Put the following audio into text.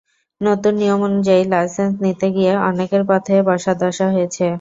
নতুন নিয়ম অনুযায়ী লাইসেন্স নিতে গিয়ে অনেকের পথে বসার দশা হয়েছে।